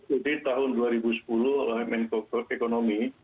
begini itu ada studi tahun dua ribu sepuluh oleh mnk ekonomi